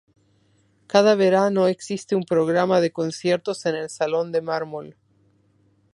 Cada verano, existe un programa de conciertos en el Salón de Mármol.